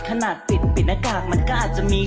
ขนาดปิดปิดหน้ากากมันก็อาจจะมี